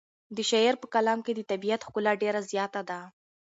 د شاعر په کلام کې د طبیعت ښکلا ډېره زیاته ده.